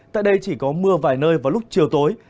tại đây chỉ có mưa vài nơi vào lúc chiều tối